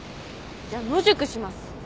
じゃ野宿します。